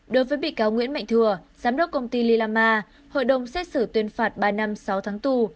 đối với bị cáo nguyễn mạnh thừa giám đốc công ty lilama hội đồng xét xử tuyên phạt ba năm sáu tháng tù